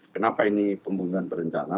kenapa ini pembunuhan berencana